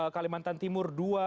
kalimantan timur dua